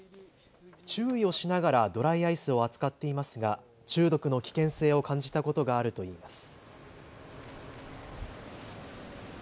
注意をしながらドライアイスを扱っていますが中毒の危険性を感じたことがあるといいます。